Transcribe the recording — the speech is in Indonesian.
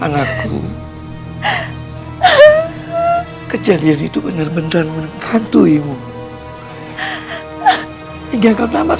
case yang berbeda harus diberi climpani